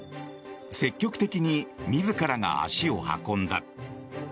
積極的に自らが足を運んだ。